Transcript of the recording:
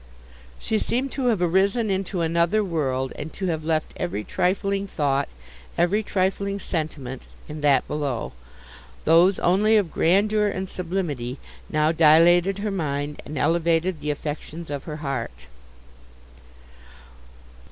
She seemed to have arisen into another world, and to have left every trifling thought, every trifling sentiment, in that below; those only of grandeur and sublimity now dilated her mind, and elevated the affections of her heart.